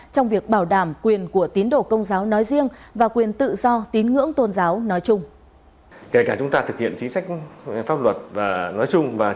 trong việc bảo đảm quyền của tín đồ công giáo nói riêng và quyền tự do tín ngưỡng tôn giáo nói chung